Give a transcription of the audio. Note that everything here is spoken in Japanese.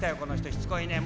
しつこいねえ。